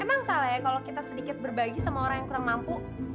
emang salah ya kalau kita sedikit berbagi sama orang yang kurang mampu